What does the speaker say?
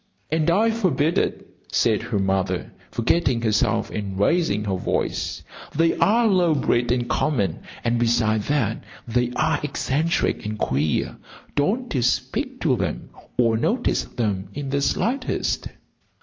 "And I forbid it," said her mother, forgetting herself and raising her voice. "They are low bred and common. And beside that, they are eccentric and queer. Don't you speak to them or notice them in the slightest."